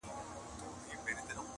زه او ته دواړه ښکاریان یو د عمرونو!